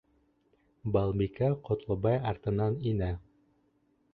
Балбикә Ҡотлобай артынан инә.